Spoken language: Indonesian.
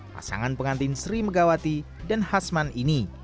pasangan pengantin sri megawati dan hasman ini